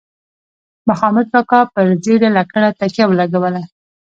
مخامد کاکا پر زیړه لکړه تکیه ولګوه.